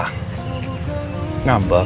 gak mau ngapain sih enggak